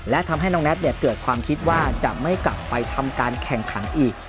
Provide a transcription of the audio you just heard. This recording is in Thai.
และทำให้น้องแน็ตเกิดความคิดว่าจะไม่กลับไปทำการแข่งขันอีก